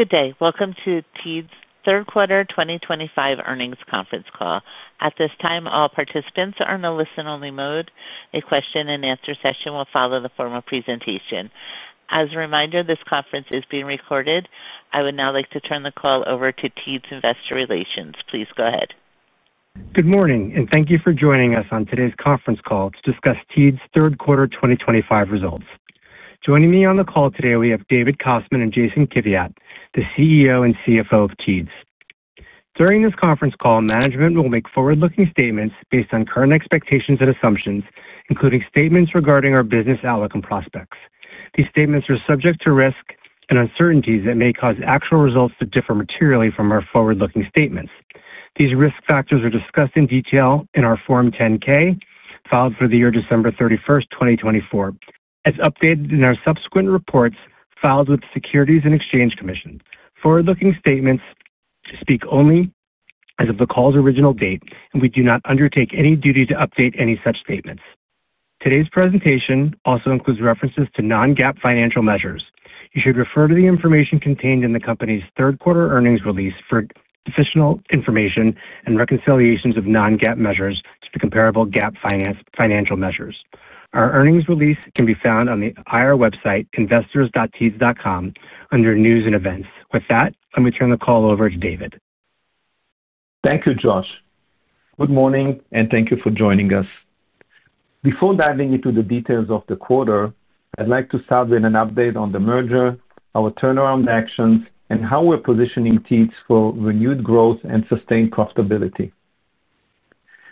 Good day. Welcome to Teads' Third-Quarter 2025 Earnings Conference Call. At this time, all participants are in a listen-only mode. A question-and-answer session will follow the formal presentation. As a reminder, this conference is being recorded. I would now like to turn the call over to Teads' investor relations. Please go ahead. Good morning, and thank you for joining us on today's conference call to discuss Teads' Third-Quarter 2025 results. Joining me on the call today, we have David Kostman and Jason Kiviat, the CEO and CFO of Teads. During this conference call, management will make forward-looking statements based on current expectations and assumptions, including statements regarding our business outlook and prospects. These statements are subject to risk and uncertainties that may cause actual results to differ materially from our forward-looking statements. These risk factors are discussed in detail in our Form 10-K, filed for the year December 31, 2024, as updated in our subsequent reports filed with the Securities and Exchange Commission. Forward-looking statements speak only as of the call's original date, and we do not undertake any duty to update any such statements. Today's presentation also includes references to non-GAAP financial measures. You should refer to the information contained in the company's third-quarter earnings release for additional information and reconciliations of non-GAAP measures to comparable GAAP financial measures. Our earnings release can be found on the IR website, investors.teads.com, under News and Events. With that, let me turn the call over to David. Thank you, Josh. Good morning, and thank you for joining us. Before diving into the details of the quarter, I'd like to start with an update on the merger, our turnaround actions, and how we're positioning Teads for renewed growth and sustained profitability.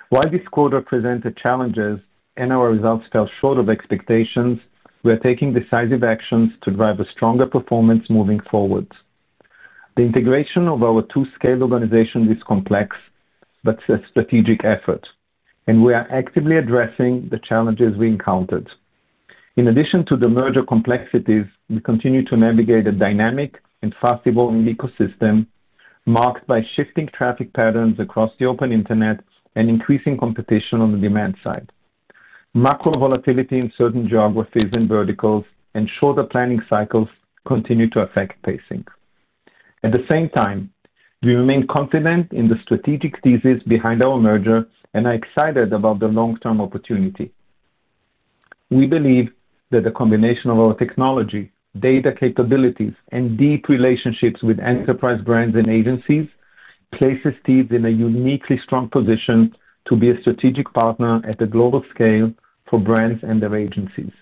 While this quarter presented challenges and our results fell short of expectations, we are taking decisive actions to drive a stronger performance moving forward. The integration of our two-scale organization is complex, but it's a strategic effort, and we are actively addressing the challenges we encountered. In addition to the merger complexities, we continue to navigate a dynamic and fast-evolving ecosystem, marked by shifting traffic patterns across the open internet and increasing competition on the demand side. Macro volatility in certain geographies and verticals and shorter planning cycles continue to affect pacing. At the same time, we remain confident in the strategic thesis behind our merger, and I'm excited about the long-term opportunity. We believe that the combination of our technology, data capabilities, and deep relationships with enterprise brands and agencies places Teads in a uniquely strong position to be a strategic partner at the global scale for brands and their agencies.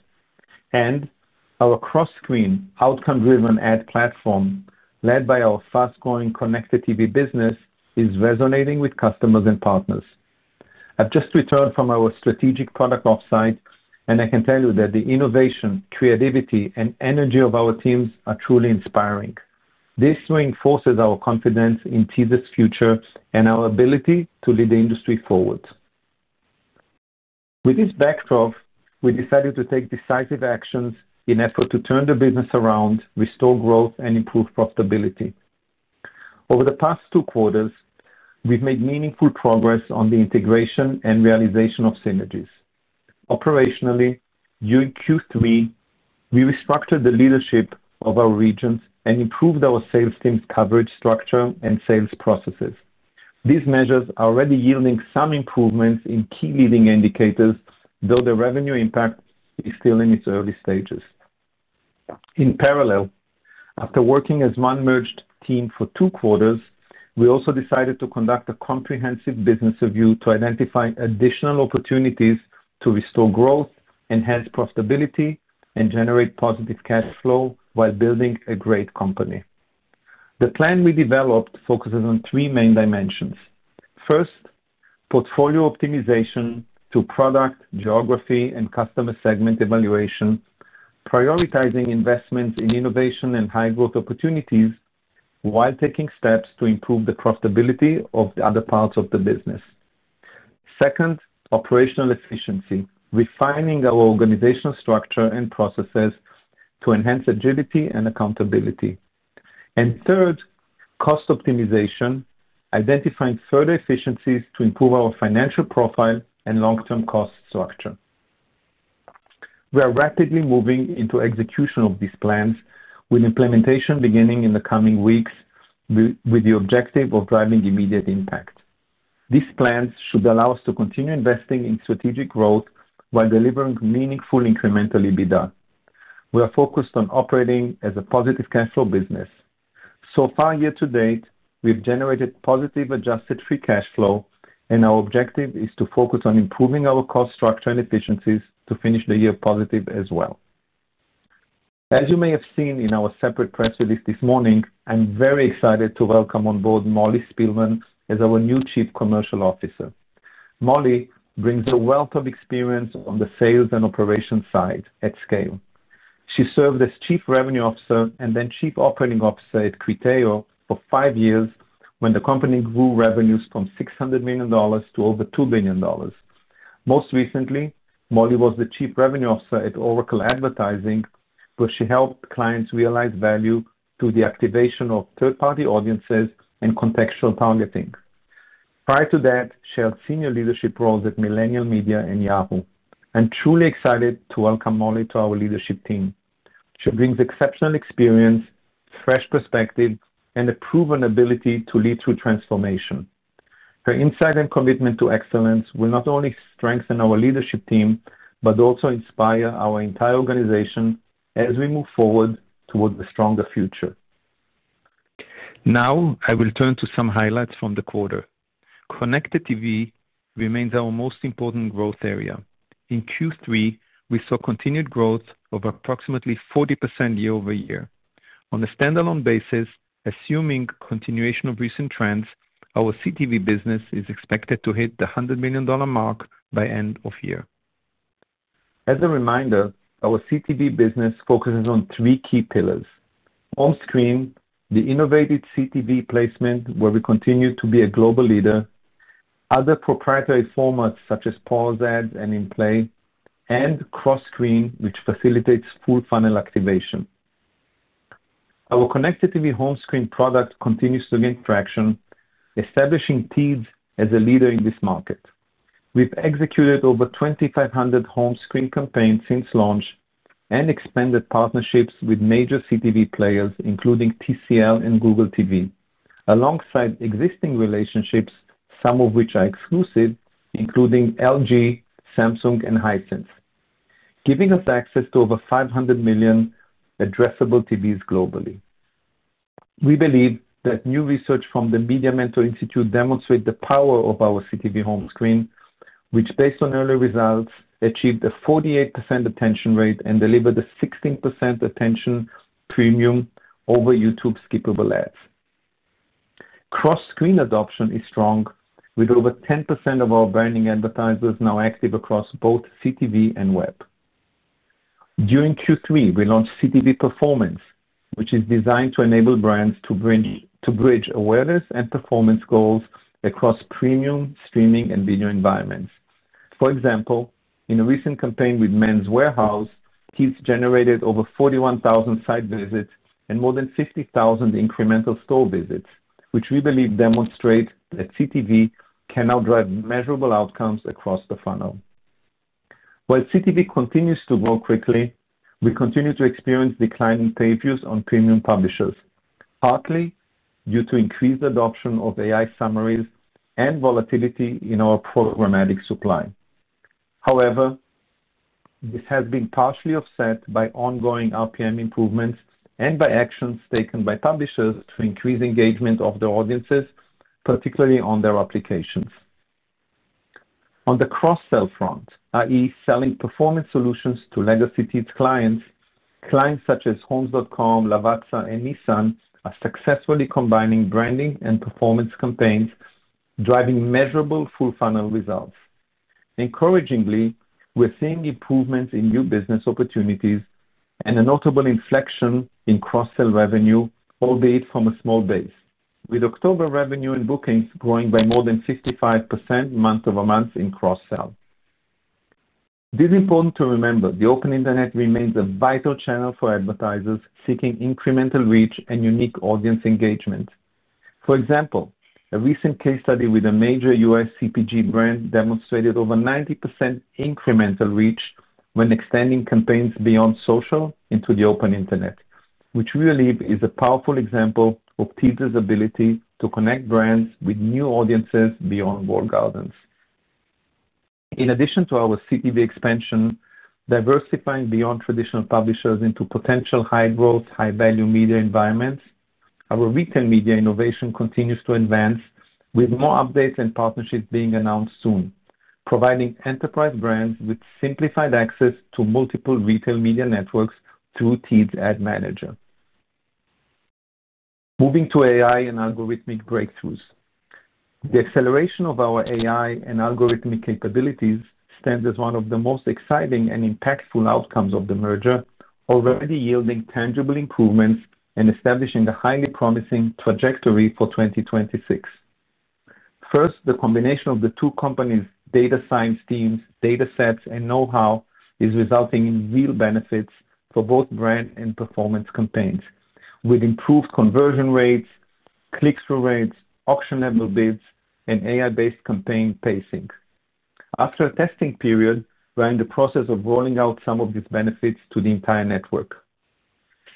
Our cross-screen, outcome-driven ad platform, led by our fast-growing connected TV business, is resonating with customers and partners. I've just returned from our strategic product offsite, and I can tell you that the innovation, creativity, and energy of our teams are truly inspiring. This reinforces our confidence in Teads' future and our ability to lead the industry forward. With this backdrop, we decided to take decisive actions in an effort to turn the business around, restore growth, and improve profitability. Over the past two quarters, we've made meaningful progress on the integration and realization of synergies. Operationally, during Q3, we restructured the leadership of our regions and improved our sales team's coverage structure and sales processes. These measures are already yielding some improvements in key leading indicators, though the revenue impact is still in its early stages. In parallel, after working as one merged team for two quarters, we also decided to conduct a comprehensive business review to identify additional opportunities to restore growth, enhance profitability, and generate positive cash flow while building a great company. The plan we developed focuses on three main dimensions. First, portfolio optimization to product, geography, and customer segment evaluation, prioritizing investments in innovation and high-growth opportunities while taking steps to improve the profitability of the other parts of the business. Second, operational efficiency, refining our organizational structure and processes to enhance agility and accountability. Third, cost optimization, identifying further efficiencies to improve our financial profile and long-term cost structure. We are rapidly moving into execution of these plans, with implementation beginning in the coming weeks, with the objective of driving immediate impact. These plans should allow us to continue investing in strategic growth while delivering meaningful incremental EBITDA. We are focused on operating as a positive cash flow business. So far, year to date, we have generated positive adjusted free cash flow, and our objective is to focus on improving our cost structure and efficiencies to finish the year positive as well. As you may have seen in our separate press release this morning, I am very excited to welcome on board Molly Spielman as our new Chief Commercial Officer. Molly brings a wealth of experience on the sales and operations side at scale. She served as Chief Revenue Officer and then Chief Operating Officer at Criteo for five years when the company grew revenues from $600 million to over $2 billion. Most recently, Molly was the Chief Revenue Officer at Oracle Advertising, where she helped clients realize value through the activation of third-party audiences and contextual targeting. Prior to that, she held senior leadership roles at Millennial Media and Yahoo. I'm truly excited to welcome Molly to our leadership team. She brings exceptional experience, fresh perspective, and a proven ability to lead through transformation. Her insight and commitment to excellence will not only strengthen our leadership team but also inspire our entire organization as we move forward toward a stronger future. Now, I will turn to some highlights from the quarter. Connected TV remains our most important growth area. In Q3, we saw continued growth of approximately 40% year-over-year. On a standalone basis, assuming continuation of recent trends, our CTV business is expected to hit the $100 million mark by end of year. As a reminder, our CTV business focuses on three key pillars: on-screen, the innovative CTV placement where we continue to be a global leader. Other proprietary formats such as pause ads and in-play, and cross-screen, which facilitates full funnel activation. Our connected TV home screen product continues to gain traction, establishing Teads as a leader in this market. We have executed over 2,500 home screen campaigns since launch and expanded partnerships with major CTV players, including TCL and Google TV, alongside existing relationships, some of which are exclusive, including LG, Samsung, and Hisense, giving us access to over 500 million addressable TVs globally. We believe that new research from the Media Mentor Institute demonstrates the power of our CTV home screen, which, based on early results, achieved a 48% attention rate and delivered a 16% attention premium over YouTube's skippable ads. Cross-screen adoption is strong, with over 10% of our branding advertisers now active across both CTV and web. During Q3, we launched CTV Performance, which is designed to enable brands to bridge awareness and performance goals across premium streaming and video environments. For example, in a recent campaign with Men's Warehouse, Teads generated over 41,000 site visits and more than 50,000 incremental store visits, which we believe demonstrate that CTV can now drive measurable outcomes across the funnel. While CTV continues to grow quickly, we continue to experience declining page views on premium publishers, partly due to increased adoption of AI summaries and volatility in our programmatic supply. However. This has been partially offset by ongoing RPM improvements and by actions taken by publishers to increase engagement of their audiences, particularly on their applications. On the cross-sell front, i.e., selling performance solutions to legacy Teads clients, clients such as Homes.com, Lavazza, and Nissan are successfully combining branding and performance campaigns, driving measurable full funnel results. Encouragingly, we're seeing improvements in new business opportunities and a notable inflection in cross-sell revenue, albeit from a small base, with October revenue and bookings growing by more than 55% month-over-month in cross-sell. This is important to remember: the open internet remains a vital channel for advertisers seeking incremental reach and unique audience engagement. For example, a recent case study with a major US CPG brand demonstrated over 90% incremental reach when extending campaigns beyond social into the open internet, which we believe is a powerful example of Teads' ability to connect brands with new audiences beyond walled gardens. In addition to our CTV expansion, diversifying beyond traditional publishers into potential high-growth, high-value media environments, our retail media innovation continues to advance, with more updates and partnerships being announced soon, providing enterprise brands with simplified access to multiple retail media networks through Teads Ad Manager. Moving to AI and algorithmic breakthroughs. The acceleration of our AI and algorithmic capabilities stands as one of the most exciting and impactful outcomes of the merger, already yielding tangible improvements and establishing a highly promising trajectory for 2026. First, the combination of the two companies' data science teams, data sets, and know-how is resulting in real benefits for both brand and performance campaigns, with improved conversion rates, click-through rates, auction-level bids, and AI-based campaign pacing. After a testing period, we're in the process of rolling out some of these benefits to the entire network.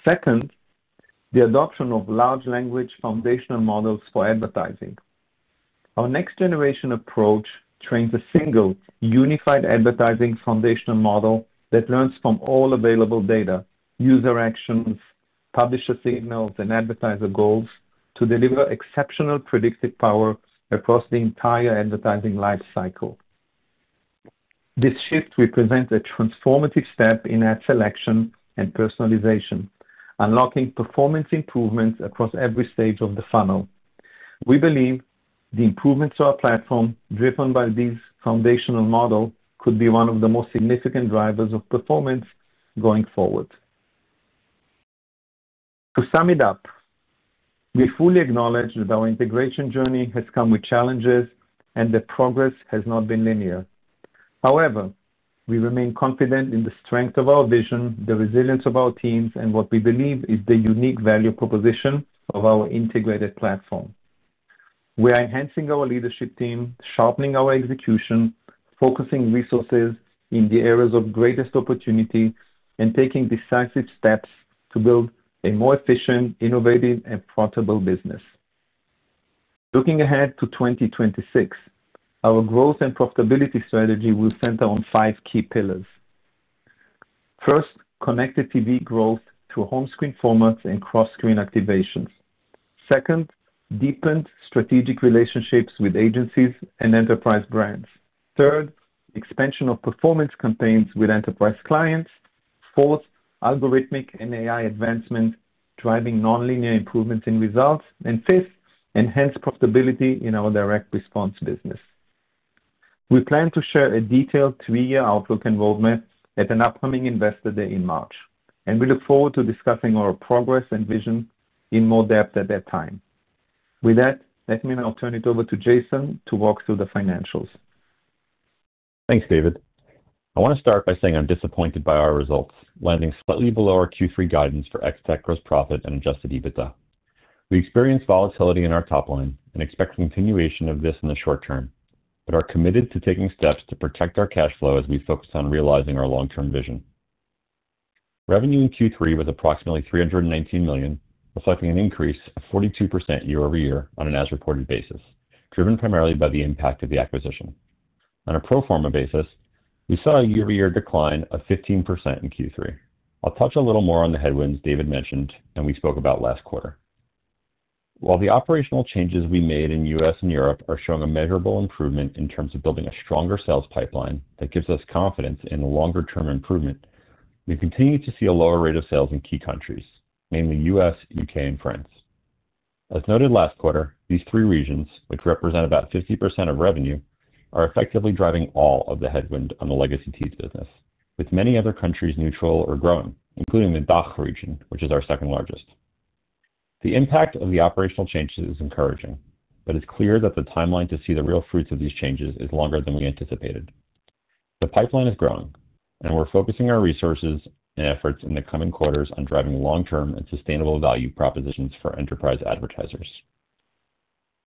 Second, the adoption of large language foundational models for advertising. Our next-generation approach trains a single, unified advertising foundational model that learns from all available data, user actions, publisher signals, and advertiser goals to deliver exceptional predictive power across the entire advertising lifecycle. This shift represents a transformative step in ad selection and personalization, unlocking performance improvements across every stage of the funnel. We believe the improvements to our platform, driven by this foundational model, could be one of the most significant drivers of performance going forward. To sum it up. We fully acknowledge that our integration journey has come with challenges, and the progress has not been linear. However, we remain confident in the strength of our vision, the resilience of our teams, and what we believe is the unique value proposition of our integrated platform. We are enhancing our leadership team, sharpening our execution, focusing resources in the areas of greatest opportunity, and taking decisive steps to build a more efficient, innovative, and profitable business. Looking ahead to 2026, our growth and profitability strategy will center on five key pillars. First, connected TV growth through home screen formats and cross-screen activations. Second, deepened strategic relationships with agencies and enterprise brands. Third, expansion of performance campaigns with enterprise clients. Fourth, algorithmic and AI advancements driving non-linear improvements in results. Fifth, enhanced profitability in our direct response business. We plan to share a detailed three-year outlook and roadmap at an upcoming Investor Day in March, and we look forward to discussing our progress and vision in more depth at that time. With that, let me now turn it over to Jason to walk through the financials. Thanks, David. I want to start by saying I'm disappointed by our results, landing slightly below our Q3 guidance for ex-tech gross profit and adjusted EBITDA. We experienced volatility in our top line and expect continuation of this in the short term, but are committed to taking steps to protect our cash flow as we focus on realizing our long-term vision. Revenue in Q3 was approximately $319 million, reflecting an increase of 42% year-over-year on an as-reported basis, driven primarily by the impact of the acquisition. On a pro forma basis, we saw a year-over-year decline of 15% in Q3. I'll touch a little more on the headwinds David mentioned and we spoke about last quarter. While the operational changes we made in the U.S. and Europe are showing a measurable improvement in terms of building a stronger sales pipeline that gives us confidence in longer-term improvement, we continue to see a lower rate of sales in key countries, mainly the U.S., U.K., and France. As noted last quarter, these three regions, which represent about 50% of revenue, are effectively driving all of the headwind on the legacy Teads business, with many other countries neutral or growing, including the DACH region, which is our second largest. The impact of the operational changes is encouraging, but it's clear that the timeline to see the real fruits of these changes is longer than we anticipated. The pipeline is growing, and we're focusing our resources and efforts in the coming quarters on driving long-term and sustainable value propositions for enterprise advertisers.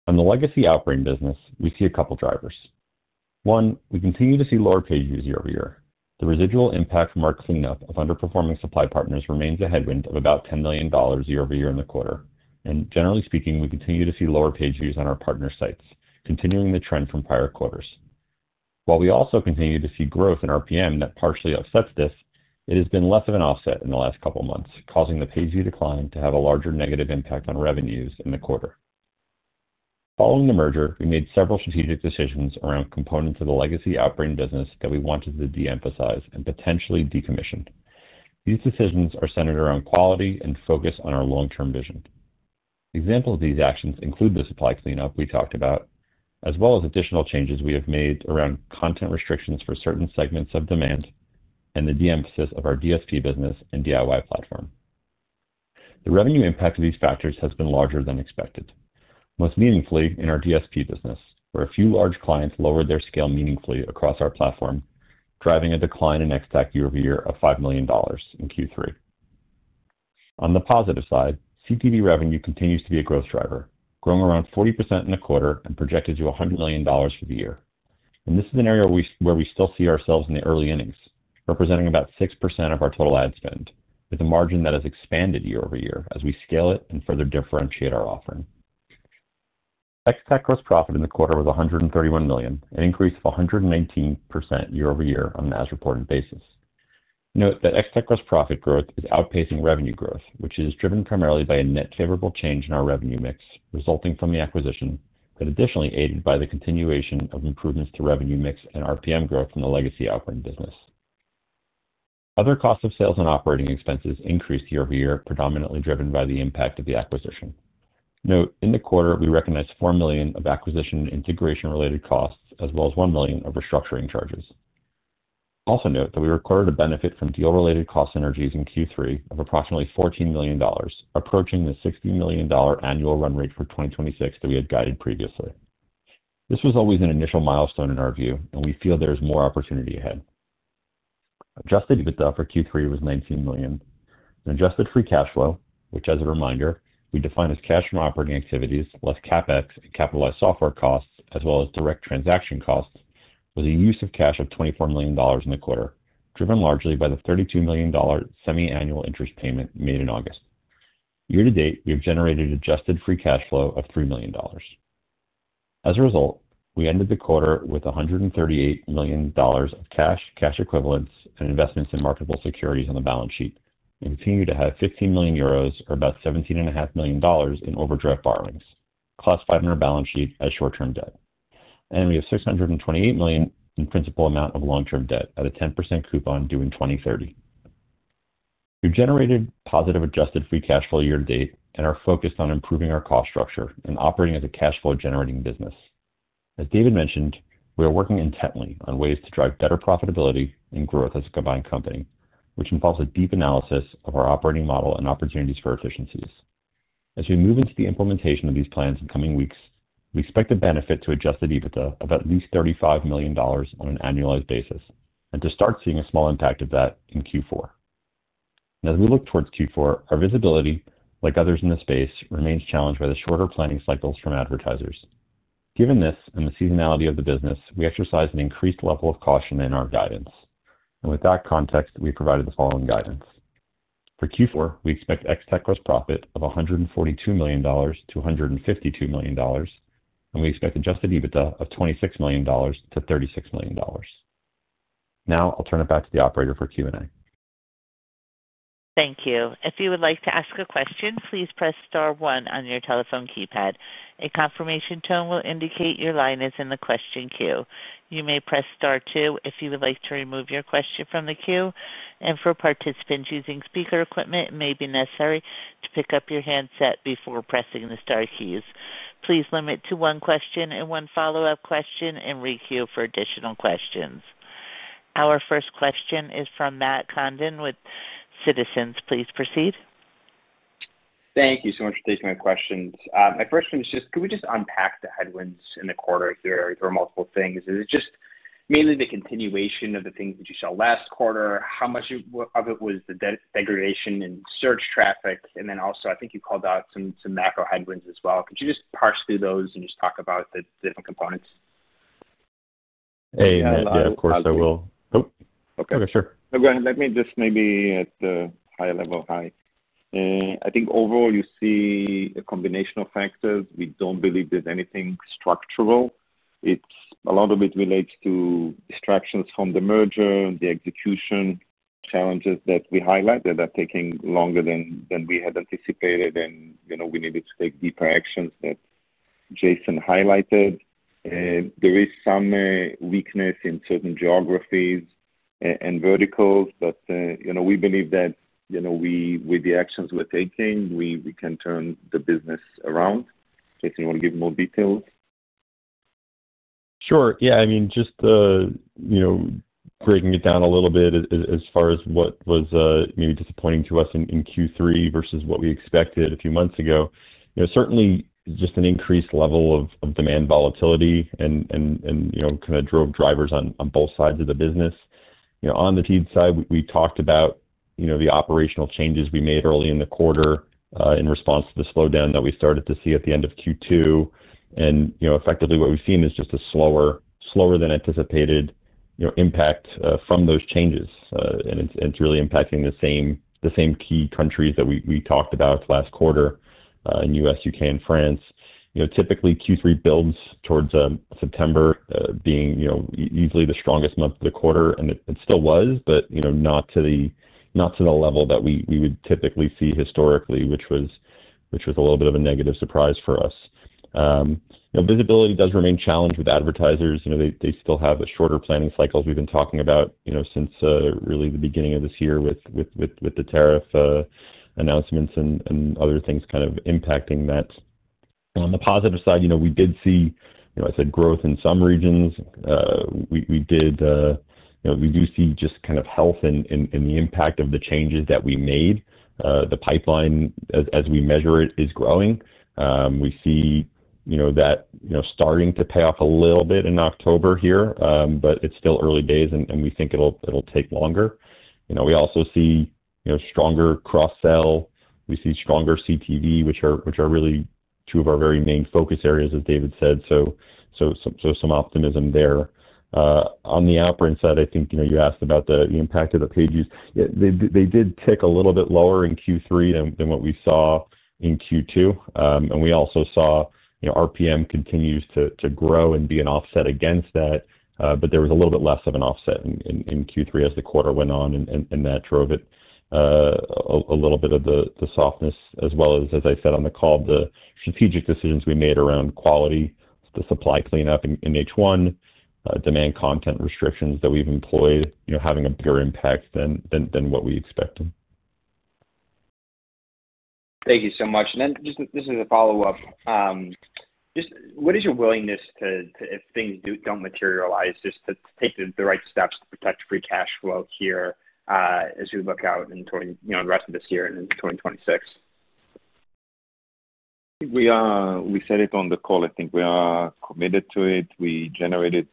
On the legacy Outbrain business, we see a couple of drivers. One, we continue to see lower page views year-over-year. The residual impact from our cleanup of underperforming supply partners remains a headwind of about $10 million year-over-year in the quarter. Generally speaking, we continue to see lower page views on our partner sites, continuing the trend from prior quarters. While we also continue to see growth in RPM that partially offsets this, it has been less of an offset in the last couple of months, causing the page view decline to have a larger negative impact on revenues in the quarter. Following the merger, we made several strategic decisions around components of the legacy Outbrain business that we wanted to de-emphasize and potentially decommission. These decisions are centered around quality and focus on our long-term vision. Examples of these actions include the supply cleanup we talked about, as well as additional changes we have made around content restrictions for certain segments of demand and the de-emphasis of our DSP business and DIY platform. The revenue impact of these factors has been larger than expected, most meaningfully in our DSP business, where a few large clients lowered their scale meaningfully across our platform, driving a decline in ex-tech year-over-year of $5 million in Q3. On the positive side, CTV revenue continues to be a growth driver, growing around 40% in the quarter and projected to $100 million for the year. This is an area where we still see ourselves in the early innings, representing about 6% of our total ad spend, with a margin that has expanded year-over-year as we scale it and further differentiate our offering. Ex-tech gross profit in the quarter was $131 million, an increase of 119% year-over-year on an as-reported basis. Note that ex-tech gross profit growth is outpacing revenue growth, which is driven primarily by a net favorable change in our revenue mix resulting from the acquisition, but additionally aided by the continuation of improvements to revenue mix and RPM growth in the legacy Outbrain business. Other costs of sales and operating expenses increased year-over-year, predominantly driven by the impact of the acquisition. In the quarter, we recognized $4 million of acquisition and integration-related costs, as well as $1 million of restructuring charges. Also note that we recorded a benefit from deal-related cost synergies in Q3 of approximately $14 million, approaching the $60 million annual run rate for 2026 that we had guided previously. This was always an initial milestone in our view, and we feel there is more opportunity ahead. Adjusted EBITDA for Q3 was $19 million. The adjusted free cash flow, which, as a reminder, we define as cash from operating activities, less CapEx and capitalized software costs, as well as direct transaction costs, was a use of cash of $24 million in the quarter, driven largely by the $32 million semi-annual interest payment made in August. Year to date, we have generated adjusted free cash flow of $3 million. As a result, we ended the quarter with $138 million of cash, cash equivalents, and investments in marketable securities on the balance sheet, and continue to have 15 million euros, or about $17.5 million, in overdraft borrowings, classified on our balance sheet as short-term debt. We have $628 million in principal amount of long-term debt at a 10% coupon due in 2030. We have generated positive adjusted free cash flow year to date and are focused on improving our cost structure and operating as a cash flow-generating business. As David mentioned, we are working intently on ways to drive better profitability and growth as a combined company, which involves a deep analysis of our operating model and opportunities for efficiencies. As we move into the implementation of these plans in coming weeks, we expect to benefit to adjusted EBITDA of at least $35 million on an annualized basis and to start seeing a small impact of that in Q4. As we look towards Q4, our visibility, like others in the space, remains challenged by the shorter planning cycles from advertisers. Given this and the seasonality of the business, we exercise an increased level of caution in our guidance. With that context, we provided the following guidance. For Q4, we expect ex-tech gross profit of $142 million-$152 million, and we expect adjusted EBITDA of $26 million-$36 million. Now, I'll turn it back to the operator for Q&A. Thank you. If you would like to ask a question, please press Star one on your telephone keypad. A confirmation tone will indicate your line is in the question queue. You may press Star two if you would like to remove your question from the queue. For participants using speaker equipment, it may be necessary to pick up your handset before pressing the Star keys. Please limit to one question and one follow-up question and requeue for additional questions. Our first question is from Matt Condon with Citizens. Please proceed. Thank you so much for taking my questions. My first one is just, could we just unpack the headwinds in the quarter? There are multiple things. Is it just mainly the continuation of the things that you saw last quarter? How much of it was the degradation in search traffic? I think you called out some macro headwinds as well. Could you just parse through those and just talk about the different components? Hey, yeah, of course I will. Nope. Okay. Okay, sure. No, go ahead. Let me just maybe at the high-level high. I think overall, you see a combination of factors. We do not believe there is anything structural. A lot of it relates to distractions from the merger, the execution challenges that we highlighted are taking longer than we had anticipated, and we needed to take deeper actions that Jason highlighted. There is some weakness in certain geographies and verticals, but we believe that with the actions we are taking, we can turn the business around. Jason, you want to give more details? Sure. Yeah. I mean, just breaking it down a little bit as far as what was maybe disappointing to us in Q3 versus what we expected a few months ago, certainly just an increased level of demand volatility and kind of drivers on both sides of the business. On the Teads side, we talked about the operational changes we made early in the quarter in response to the slowdown that we started to see at the end of Q2. Effectively, what we've seen is just a slower-than-anticipated impact from those changes. It is really impacting the same key countries that we talked about last quarter in the U.S., U.K., and France. Typically, Q3 builds towards September being easily the strongest month of the quarter. It still was, but not to the level that we would typically see historically, which was a little bit of a negative surprise for us. Visibility does remain challenged with advertisers. They still have the shorter planning cycles we've been talking about since really the beginning of this year with the tariff announcements and other things kind of impacting that. On the positive side, we did see, as I said, growth in some regions. We do see just kind of health in the impact of the changes that we made. The pipeline, as we measure it, is growing. We see that starting to pay off a little bit in October here, but it's still early days, and we think it'll take longer. We also see stronger cross-sell. We see stronger CTV, which are really two of our very main focus areas, as David said. Some optimism there. On the upbring side, I think you asked about the impact of the page views. They did tick a little bit lower in Q3 than what we saw in Q2. We also saw RPM continues to grow and be an offset against that, but there was a little bit less of an offset in Q3 as the quarter went on, and that drove it. A little bit of the softness, as well as, as I said on the call, the strategic decisions we made around quality, the supply cleanup in H1, demand content restrictions that we have employed, having a bigger impact than what we expected. Thank you so much. This is a follow-up. What is your willingness to, if things do not materialize, just to take the right steps to protect free cash flow here as we look out into the rest of this year and into 2026? I think we said it on the call. I think we are committed to it. We generated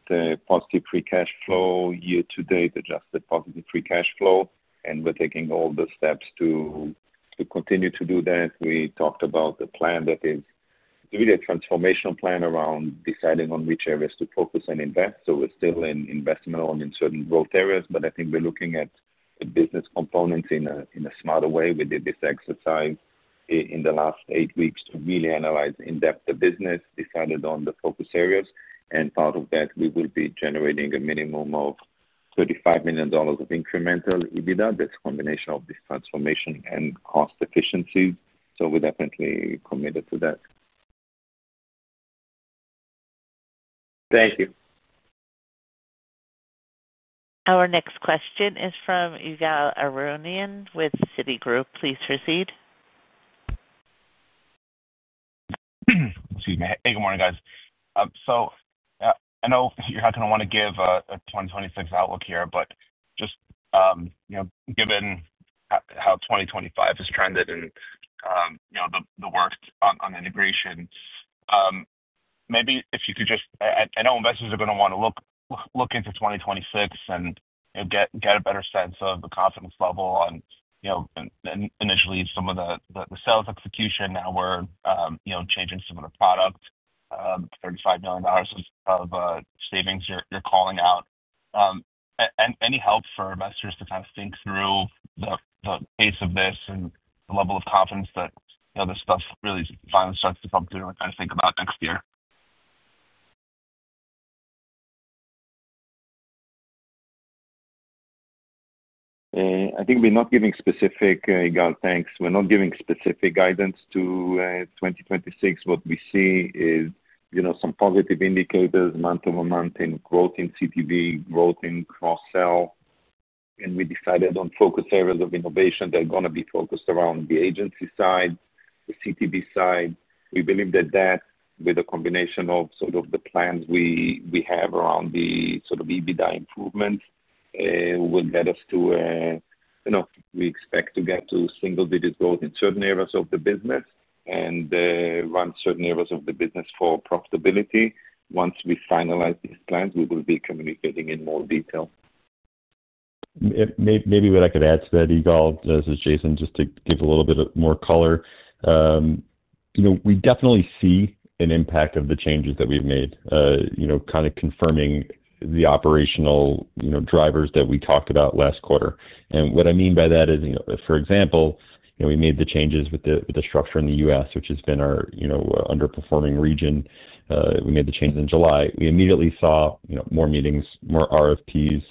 positive free cash flow year to date, adjusted positive free cash flow, and we're taking all the steps to continue to do that. We talked about the plan that is really a transformational plan around deciding on which areas to focus and invest. We're still in investment on certain growth areas, but I think we're looking at business components in a smarter way. We did this exercise in the last eight weeks to really analyze in-depth the business, decided on the focus areas. Part of that, we will be generating a minimum of $35 million of incremental EBITDA, this combination of this transformation and cost efficiency. We're definitely committed to that. Thank you. Our next question is from Ygal Arounian with Citigroup. Please proceed. Excuse me. Hey, good morning, guys. I know you're not going to want to give a 2026 outlook here, but just. Given how 2025 has trended and. The work on integration. Maybe if you could just, I know investors are going to want to look into 2026 and get a better sense of the confidence level on. Initially, some of the sales execution. Now we're changing some of the product. $35 million of savings you're calling out. Any help for investors to kind of think through the pace of this and the level of confidence that this stuff really finally starts to come through and kind of think about next year? I think we're not giving specific, Yuval, thanks. We're not giving specific guidance to 2026. What we see is some positive indicators, month-over-month, in growth in CTV, growth in cross-sell. We decided on focus areas of innovation that are going to be focused around the agency side, the CTV side. We believe that that, with a combination of sort of the plans we have around the sort of EBITDA improvements, will get us to. We expect to get to single-digit growth in certain areas of the business and run certain areas of the business for profitability. Once we finalize these plans, we will be communicating in more detail. Maybe what I could add to that, Ygal, this is Jason, just to give a little bit more color. We definitely see an impact of the changes that we've made, kind of confirming the operational drivers that we talked about last quarter. What I mean by that is, for example, we made the changes with the structure in the U.S., which has been our underperforming region. We made the change in July. We immediately saw more meetings, more RFPs,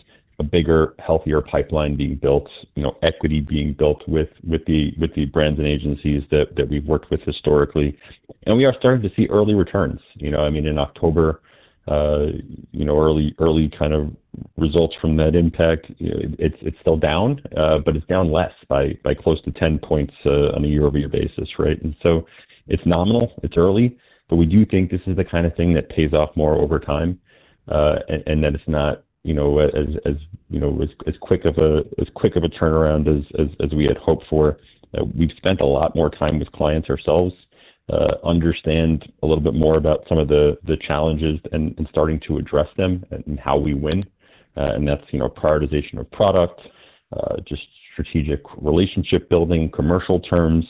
a bigger, healthier pipeline being built, equity being built with the brands and agencies that we've worked with historically. I mean, we are starting to see early returns. In October, early kind of results from that impact, it's still down, but it's down less by close to 10 percentage points on a year-over-year basis, right? It's nominal. It's early, but we do think this is the kind of thing that pays off more over time. It's not as quick of a turnaround as we had hoped for. We've spent a lot more time with clients ourselves, understand a little bit more about some of the challenges and starting to address them and how we win. That's prioritization of product, just strategic relationship building, commercial terms.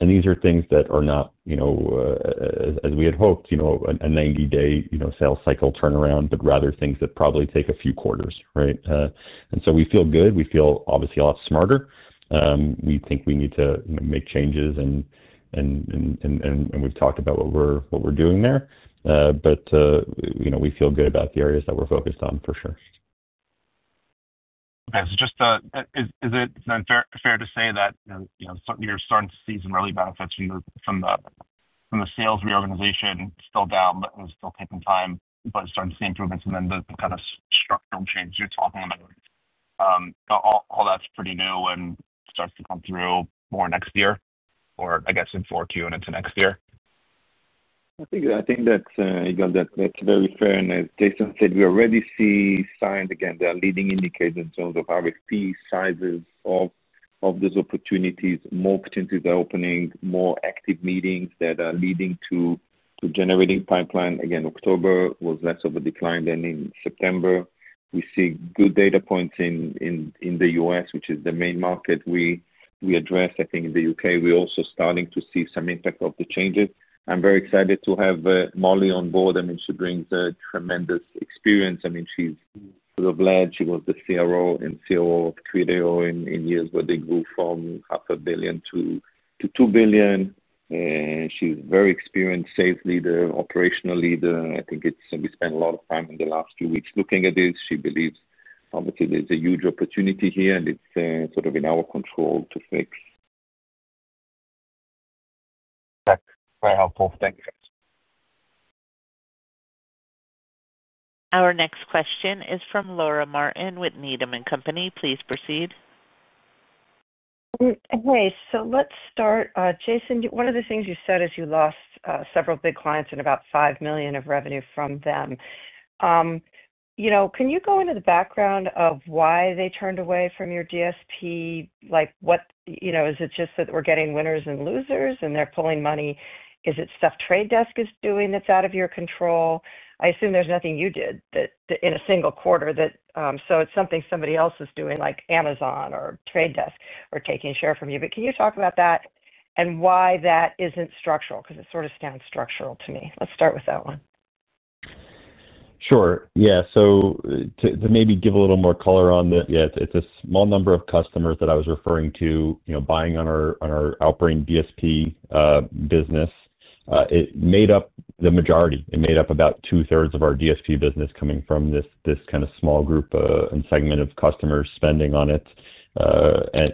These are things that are not. As we had hoped, a 90-day sales cycle turnaround, but rather things that probably take a few quarters, right? We feel good. We feel obviously a lot smarter. We think we need to make changes, and we've talked about what we're doing there. We feel good about the areas that we're focused on, for sure. Okay. Just, is it fair to say that you're starting to see some early benefits from the sales reorganization, still down, but it's still taking time, but starting to see improvements in the kind of structural change you're talking about? All that's pretty new and starts to come through more next year, or I guess in forward to and into next year? I think that's, Yuval, that's very fair. As Jason said, we already see, again, the leading indicators in terms of RFP sizes. Those opportunities, more opportunities are opening, more active meetings that are leading to generating pipeline. Again, October was less of a decline than in September. We see good data points in the U.S., which is the main market we address. I think in the U.K., we're also starting to see some impact of the changes. I'm very excited to have Molly on board. I mean, she brings a tremendous experience. I mean, she's sort of led. She was the CRO and COO of Criteo in years where they grew from $500,000,000 to $2,000,000,000. She's very experienced sales leader, operational leader. I think we spent a lot of time in the last few weeks looking at this. She believes obviously there's a huge opportunity here, and it's sort of in our control to fix. That's very helpful. Thank you. Our next question is from Laura Martin with Needham & Company. Please proceed. Hey, so let's start. Jason, one of the things you said is you lost several big clients and about $5 million of revenue from them. Can you go into the background of why they turned away from your DSP? Is it just that we're getting winners and losers, and they're pulling money9 Is it stuff The Trade Desk is doing that's out of your control? I assume there's nothing you did in a single quarter that so it's something somebody else is doing, like Amazon or The Trade Desk, or taking a share from you. Can you talk about that and why that isn't structural? Because it sort of sounds structural to me. Let's start with that one. Sure. Yeah. So. To maybe give a little more color on that, yeah, it's a small number of customers that I was referring to buying on our Outbrain DSP business. It made up the majority. It made up about two-thirds of our DSP business coming from this kind of small group and segment of customers spending on it. I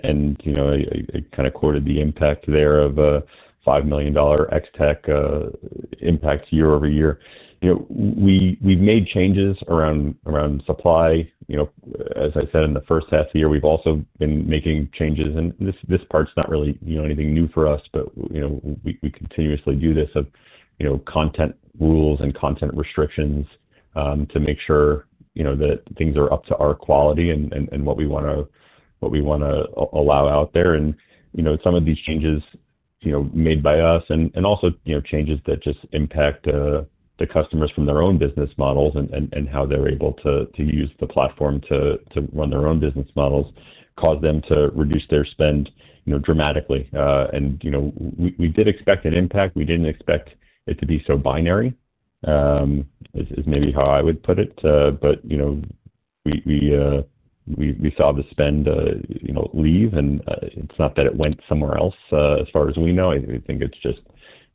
kind of quoted the impact there of a $5 million ex-tech impact year over year. We've made changes around supply. As I said, in the first half of the year, we've also been making changes. This part's not really anything new for us, but we continuously do this with content rules and content restrictions to make sure that things are up to our quality and what we want to allow out there. Some of these changes. Made by us and also changes that just impact the customers from their own business models and how they're able to use the platform to run their own business models cause them to reduce their spend dramatically. We did expect an impact. We didn't expect it to be so binary, is maybe how I would put it. We saw the spend leave. It's not that it went somewhere else as far as we know. I think it just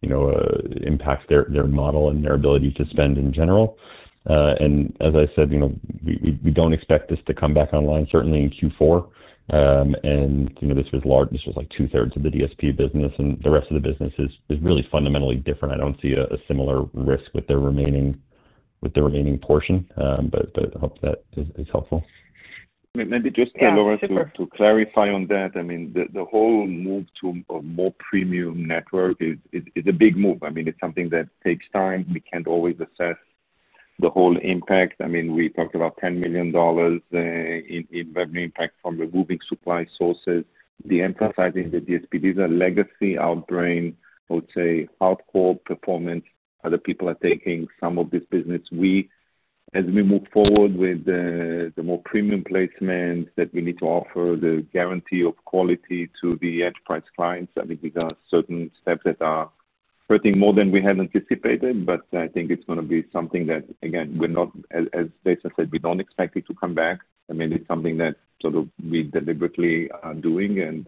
impacts their model and their ability to spend in general. As I said, we don't expect this to come back online, certainly in Q4. This was like two-thirds of the DSP business. The rest of the business is really fundamentally different. I don't see a similar risk with the remaining portion. I hope that is helpful. Maybe just. To clarify on that, I mean, the whole move to a more premium network is a big move. I mean, it's something that takes time. We can't always assess the whole impact. I mean, we talked about $10 million in revenue impact from removing supply sources. The emphasis in the DSP, these are legacy Outbrain, I would say, hardcore performance. Other people are taking some of this business. As we move forward with the more premium placements that we need to offer the guarantee of quality to the enterprise clients, I think we got certain steps that are hurting more than we had anticipated. I think it's going to be something that, again, as Jason said, we don't expect it to come back. I mean, it's something that sort of we deliberately are doing.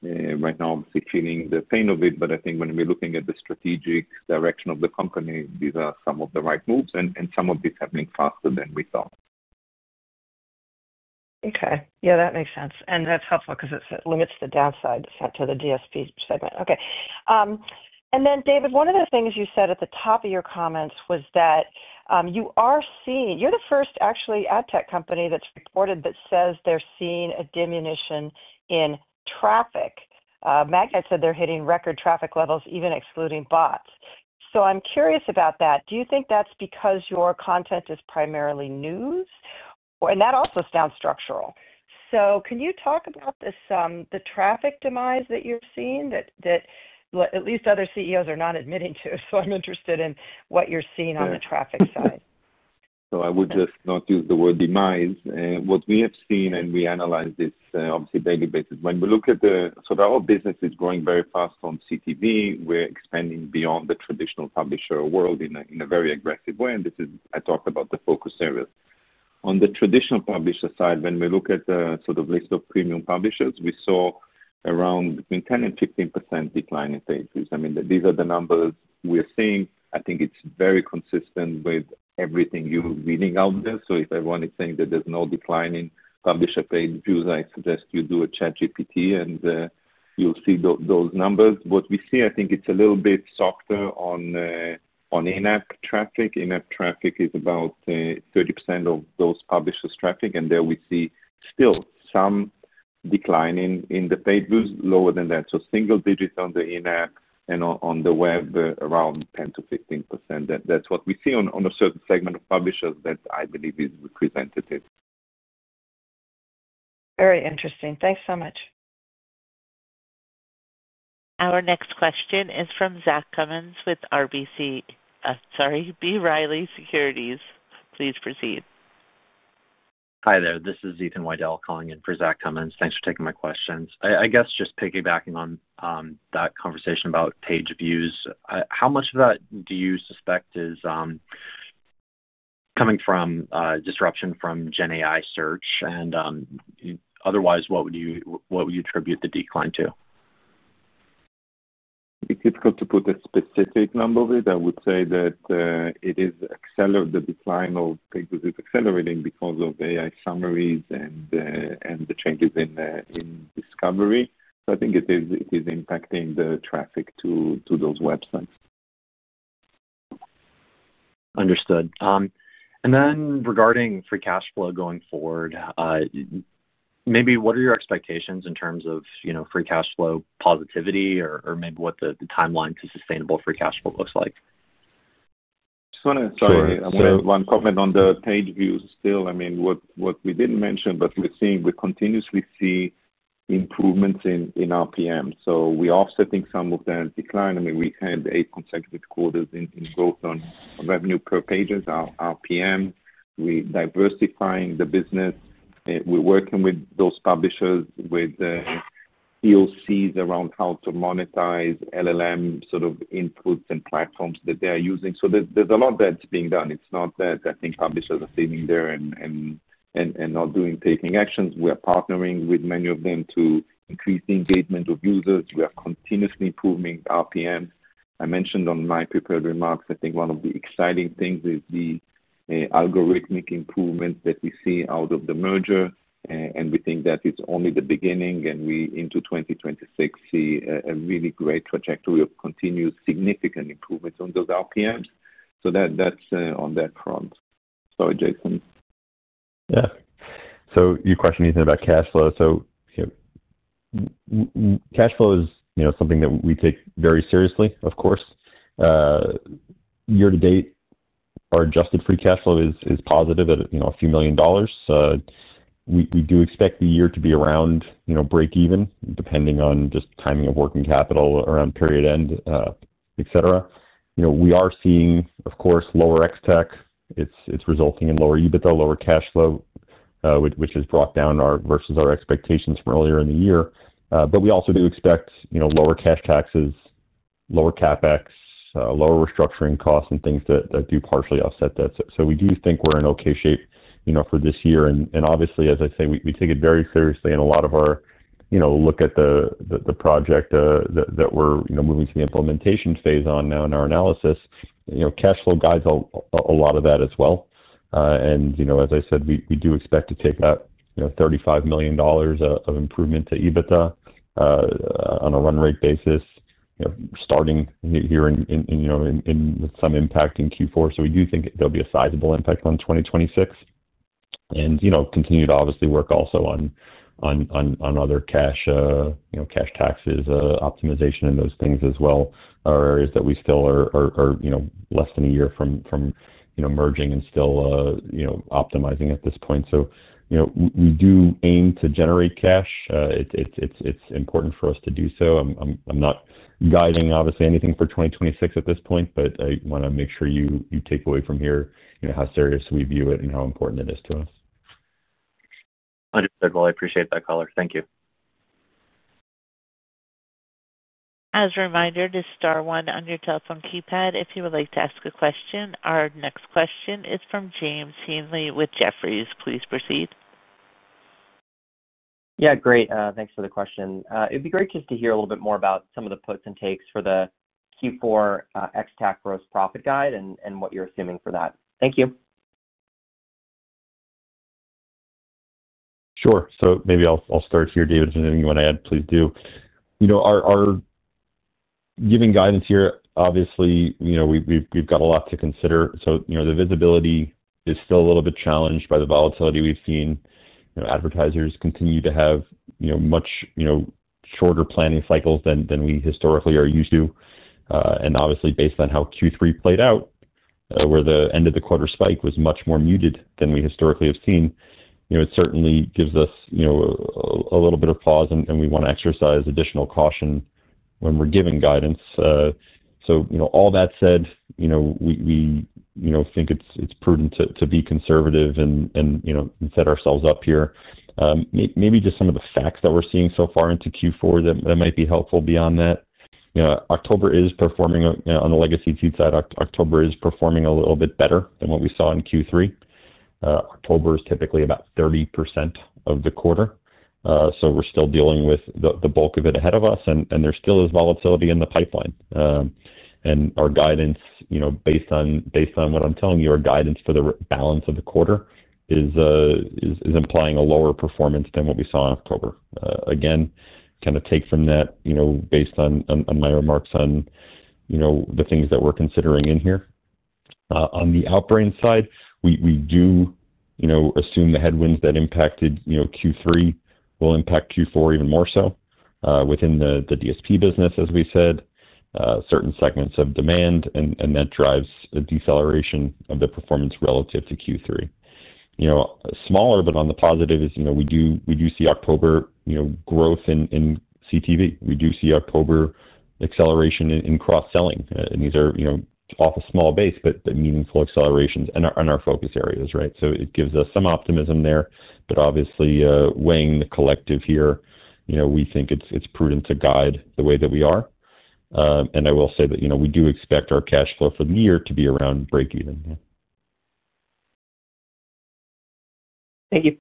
Right now, I'm still feeling the pain of it. I think when we're looking at the strategic direction of the company, these are some of the right moves. Some of this is happening faster than we thought. Okay. Yeah, that makes sense. That's helpful because it limits the downside to the DSP segment. Okay. David, one of the things you said at the top of your comments was that you're the first, actually, ad tech company that's reported that says they're seeing a diminution in traffic. Magnite said they're hitting record traffic levels, even excluding bots. I'm curious about that. Do you think that's because your content is primarily news? That also sounds structural. Can you talk about the traffic demise that you're seeing that at least other CEOs are not admitting to? I'm interested in what you're seeing on the traffic side. I would just not use the word demise. What we have seen, and we analyze this obviously on a daily basis, when we look at the sort of our business is growing very fast on CTV, we are expanding beyond the traditional publisher world in a very aggressive way. This is, I talked about the focus areas. On the traditional publisher side, when we look at the sort of list of premium publishers, we saw around between 10% and 15% decline in page views. I mean, these are the numbers we are seeing. I think it is very consistent with everything you are reading out there. If everyone is saying that there is no decline in publisher page views, I suggest you do a ChatGPT, and you will see those numbers. What we see, I think it is a little bit softer on. In-app traffic. In-app traffic is about. 30% of those publishers' traffic. There we see still some decline in the page views, lower than that. Single digits on the in-app and on the web around 10-15%. That is what we see on a certain segment of publishers that I believe is representative. Very interesting. Thanks so much. Our next question is from Zach Cummins with B. Riley Securities. Please proceed. Hi there. This is Ethan Widell calling in for Zach Cummins. Thanks for taking my questions. I guess just piggybacking on that conversation about page views, how much of that do you suspect is coming from disruption from GenAI search? Otherwise, what would you attribute the decline to? It is difficult to put a specific number on it. I would say that it is accelerated. The decline of page views is accelerating because of AI summaries and the changes in discovery. I think it is impacting the traffic to those websites. Understood. Regarding free cash flow going forward, maybe what are your expectations in terms of free cash flow positivity or maybe what the timeline to sustainable free cash flow looks like? I just want to—sorry, I want to comment on the page views still. I mean, what we did not mention, but we are seeing, we continuously see improvements in RPM. We are offsetting some of that decline. I mean, we had eight consecutive quarters in growth on revenue per pages, RPM. We arlersifying the business. We are working with those publishers with POCs around how to monetize LLM sort of inputs and platforms that they are using. There is a lot that is being done. It is not that I think publishers are sitting there and not taking actions. We are partnering with many of them to increase the engagement of users. We are continuously improving RPM. I mentioned on my prepared remarks, I think one of the exciting things is the algorithmic improvements that we see out of the merger. We think that it's only the beginning. We into 2026 see a really great trajectory of continuous significant improvements on those RPMs. That's on that front. Sorry, Jason. Yeah. Your question, Ethan, about cash flow. Cash flow is something that we take very seriously, of course. Year to date, our adjusted free cash flow is positive at a few million dollars. We do expect the year to be around break-even, depending on just timing of working capital around period end, etc. We are seeing, of course, lower ex-tech. It's resulting in lower EBITDA, lower cash flow. Which has brought down versus our expectations from earlier in the year. We also do expect lower cash taxes, lower CapEx, lower restructuring costs, and things that do partially offset that. We do think we are in okay shape for this year. Obviously, as I say, we take it very seriously. A lot of our look at the project that we are moving to the implementation phase on now in our analysis, cash flow guides a lot of that as well. As I said, we do expect to take that $35 million of improvement to EBITDA on a run rate basis, starting here in some impact in Q4. We do think there will be a sizable impact on 2026 and continue to obviously work also on other cash, taxes, optimization, and those things as well are areas that we still are less than a year from. Merging and still optimizing at this point. So, we do aim to generate cash. It's important for us to do so. I'm not guiding, obviously, anything for 2026 at this point, but I want to make sure you take away from here how serious we view it and how important it is to us. Understood. I appreciate that, Color. Thank you. As a reminder, this is Star One on your telephone keypad if you would like to ask a question. Our next question is from James Heenley with Jefferies. Please proceed. Yeah, great. Thanks for the question. It'd be great just to hear a little bit more about some of the puts and takes for the Q4 X-TAC gross profit guide and what you're assuming for that. Thank you Sure. Maybe I'll start here, David. If there's anything you want to add, please do. Our. Giving guidance here, obviously. We've got a lot to consider. The visibility is still a little bit challenged by the volatility we've seen. Advertisers continue to have much shorter planning cycles than we historically are used to. Obviously, based on how Q3 played out, where the end of the quarter spike was much more muted than we historically have seen, it certainly gives us a little bit of pause. We want to exercise additional caution when we're giving guidance. All that said, we think it's prudent to be conservative and set ourselves up here. Maybe just some of the facts that we're seeing so far into Q4 that might be helpful beyond that. October is performing on the legacy seed side. October is performing a little bit better than what we saw in Q3. October is typically about 30% of the quarter. We're still dealing with the bulk of it ahead of us. There still is volatility in the pipeline. Our guidance, based on what I'm telling you, our guidance for the balance of the quarter, is implying a lower performance than what we saw in October. Again, kind of take from that based on my remarks on the things that we're considering in here. On the Outbrain side, we do assume the headwinds that impacted Q3 will impact Q4 even more so within the DSP business, as we said, certain segments of demand. That drives a deceleration of the performance relative to Q3. Smaller, but on the positive, is we do see October growth in CTV. We do see October acceleration in cross-selling. These are off a small base, but meaningful accelerations in our focus areas, right? It gives us some optimism there. Obviously, weighing the collective here, we think it's prudent to guide the way that we are. I will say that we do expect our cash flow for the year to be around break-even. Thank you.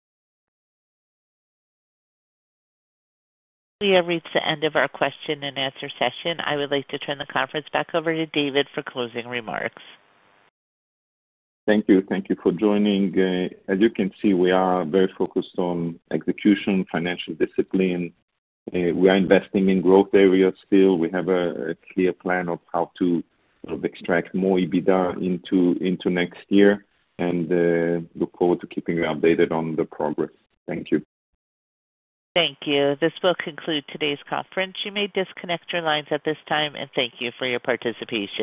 We have reached the end of our question and answer session. I would like to turn the conference back over to David for closing remarks. Thank you. Thank you for joining. As you can see, we are very focused on execution, financial discipline. We are investing in growth areas still. We have a clear plan of how to extract more EBITDA into next year. I look forward to keeping you updated on the progress. Thank you. Thank you. This will conclude today's conference. You may disconnect your lines at this time. Thank you for your participation.